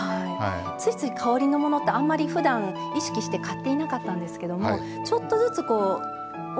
ついつい香りのものってあんまりふだん意識して買っていなかったんですけどもちょっとずつお買い物のときに。